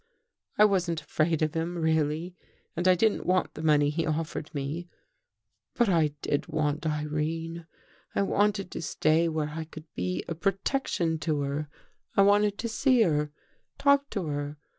" I wasn't afraid of him really and I didn't want the money he offered me, but I did want Irene. I wanted to stay there where I could be a protection to her. I wanted to see her — talk to her.